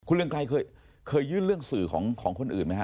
เรืองไกรเคยยื่นเรื่องสื่อของคนอื่นไหมฮ